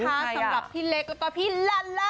สำหรับพี่เล็กกับพี่ลาล่าค่ะ